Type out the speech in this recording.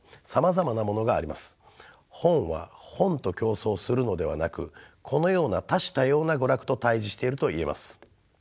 本は本と競争するのではなくこのような多種多様な娯楽と対じしているといえます。